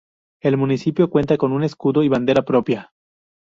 El municipio cuenta con escudo y bandera propia.